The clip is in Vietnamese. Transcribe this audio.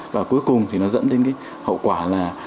và cuối cùng thì nó dẫn đến cái hậu quả là